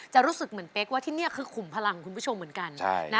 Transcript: รู้สึกเหมือนเป๊กว่าที่นี่คือขุมพลังคุณผู้ชมเหมือนกัน